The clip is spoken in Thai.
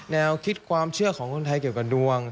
แนวคิดความเชื่อของคนไทยเกี่ยวกับดวง